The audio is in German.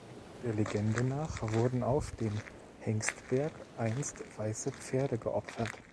Der Legende nach wurden auf dem Hengstberg einst weiße Pferde geopfert.